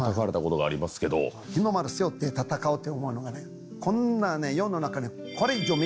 日の丸背負って戦うっていうものがねこんなね世の中で。